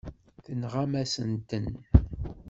Tenɣam-asen-ten.